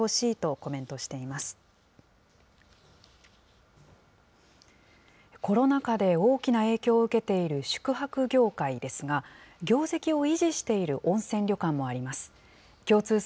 コロナ禍で大きな影響を受けている宿泊業界ですが、業績を維持している温泉旅館もあります。